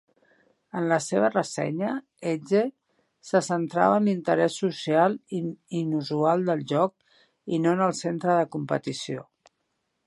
En la seva ressenya, "Edge" se centrava en l'interès social inusual del joc, i no en el centre de competició.